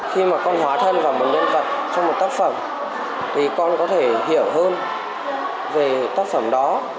khi mà con hóa thân vào một nhân vật trong một tác phẩm thì con có thể hiểu hơn về tác phẩm đó